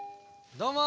どうも！